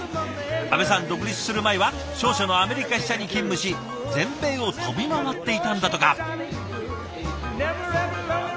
阿部さん独立する前は商社のアメリカ支社に勤務し全米を飛び回っていたんだとか。